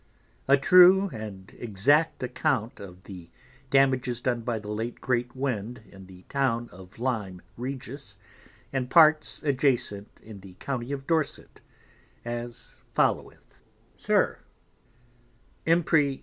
_ A True and exact Account of the Damages done by the late great Wind in the Town of Lyme Regis, and parts adjacent in the County of Dorset, as followeth, SIR Impri.